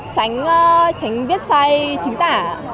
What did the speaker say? tránh viết sai chính tả